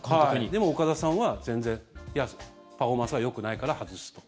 でも岡田さんは全然いや、パフォーマンスがよくないから外すと。